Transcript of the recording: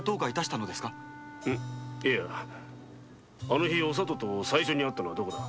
あの日お里と最初に会ったのはどこだ？